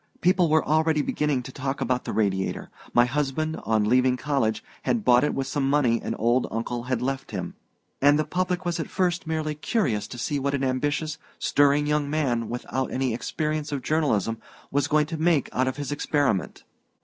People were already beginning to talk about the Radiator. My husband, on leaving college, had bought it with some money an old uncle had left him, and the public at first was merely curious to see what an ambitious, stirring young man without any experience of journalism was going to make out of his experiment.